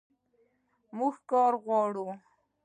موږ کار غواړو